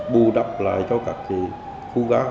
bù đắp lại cho các cái khu gác